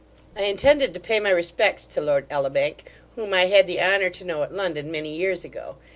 I intended to pay my respects to Lord Elibank, whom I had the honour to know at London many years ago.